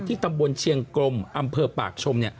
ตำบลเชียงกลมอำเภอปากชม